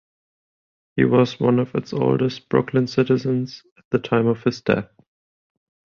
He was one of its oldest Brooklyn citizens at the time of his death.